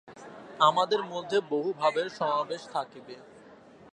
আমাদের মধ্যে বহু ভাবের সমাবেশ থাকিবে।